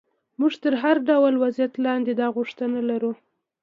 موږ تر هر ډول وضعیت لاندې دا غوښتنه لرو.